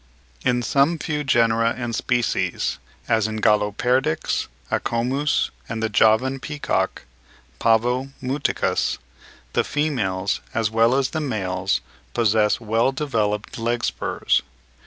In some few genera and species, as in Galloperdix, Acomus, and the Javan peacock (Pavo muticus), the females, as well as the males, possess well developed leg spurs.